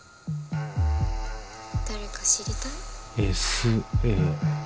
誰か知りたい？